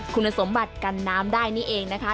คุณสมบัติกันน้ำได้นี่เองนะคะ